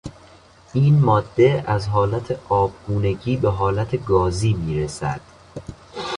این ماده از حالت آبگونگی به حالت گازی میرسد.